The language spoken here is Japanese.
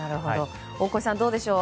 大越さんどうでしょう。